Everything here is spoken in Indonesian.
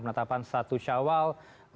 penatapan satu shawwal empat belas